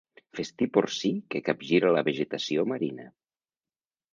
Festí porcí que capgira la vegetació marina.